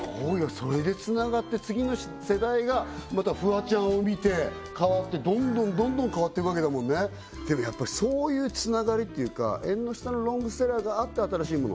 それでつながって次の世代がまたフワちゃんを見て変わってどんどんどんどん変わっていくわけだもんねでもやっぱりそういうつながりっていうかえんの下のロングセラーがあって新しいもの